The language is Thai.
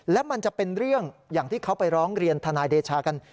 และมันจะเป็นเรื่องอย่างที่เขาไปร้องเรียนทนายเดชากัน